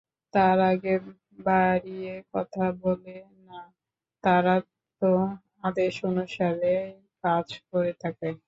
তার আগে বাড়িয়ে কথা বলে না, তারা তো আদেশ অনুসারেই কাজ করে থাকে।